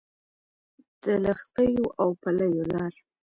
د لښتيو او پلیو لارو